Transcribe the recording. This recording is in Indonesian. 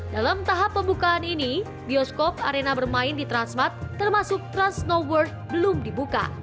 dalam tahap pembukaan ini bioskop arena bermain di transmart termasuk transnoworld belum dibuka